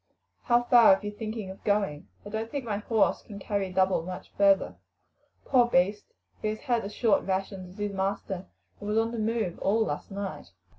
How far are you thinking of going? I don't think my horse can carry double much further. Poor beast, he has had as short rations as his master, and was on the move all last night."